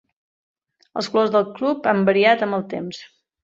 Els colors del club han variat amb el temps.